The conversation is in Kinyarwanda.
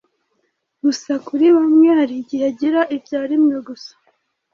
Gusa kuri bamwe hari igihe agira ibya rimwe gusa